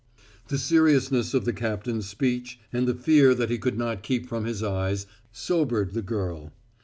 The seriousness of the captain's speech and the fear that he could not keep from his eyes sobered the girl.